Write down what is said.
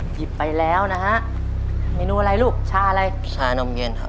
ผิดไปแล้วนะฮะเมนูอะไรลูกชาอะไรชานมเย็นครับ